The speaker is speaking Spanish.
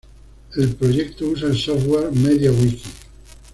El proyecto usa el software MediaWiki.